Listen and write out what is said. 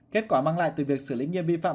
kết quả mang lại từ việc xử lý nghiêm vi phạm